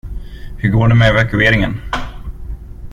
Hur går det med evakueringen?